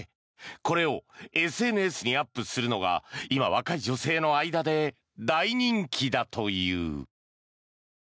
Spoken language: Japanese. これをＳＮＳにアップするのが今、若い女性の間で大人気だという。